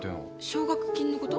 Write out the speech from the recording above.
奨学金のこと？